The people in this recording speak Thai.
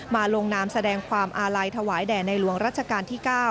ลงนามแสดงความอาลัยถวายแด่ในหลวงรัชกาลที่๙